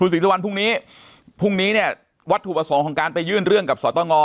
ศรีสุวรรณพรุ่งนี้พรุ่งนี้เนี่ยวัตถุประสงค์ของการไปยื่นเรื่องกับสตง